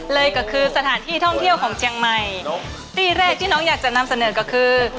เลยก็คือสถานที่ท่องเที่ยวของเชียงใหม่ที่แรกที่น้องอยากจะนำเสนอก็คือ